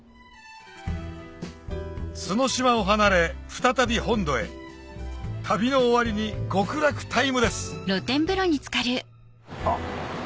角島を離れ再び本土へ旅の終わりに極楽タイムですあっ。